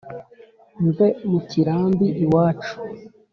mve mu kirambi iwacu